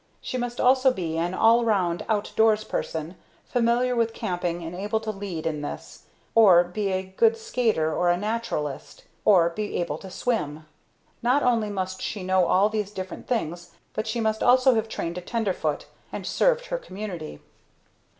She must also be an all round out doors person, familiar with camping, and able to lead in this, or be a good skater or a naturalist, or be able to swim. Not only must she know all these different things but she must also have trained a Tenderfoot, and served her community.